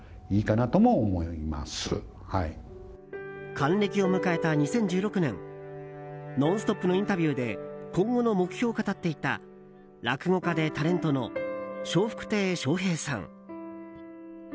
還暦を迎えた２０１６年「ノンストップ！」のインタビューで今後の目標を語っていた落語家でタレントの笑福亭笑瓶さん。